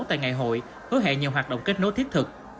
tại ngày hội hứa hẹn nhiều hoạt động kết nối thiết thực